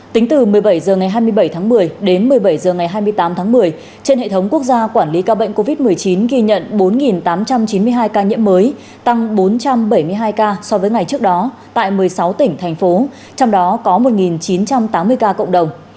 tính từ một mươi bảy h ngày hai mươi bảy tháng một mươi đến một mươi bảy h ngày hai mươi tám tháng một mươi trên hệ thống quốc gia quản lý ca bệnh covid một mươi chín ghi nhận bốn tám trăm chín mươi hai ca nhiễm mới tăng bốn trăm bảy mươi hai ca so với ngày trước đó tại một mươi sáu tỉnh thành phố trong đó có một chín trăm tám mươi ca cộng đồng